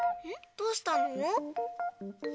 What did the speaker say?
どうしたの？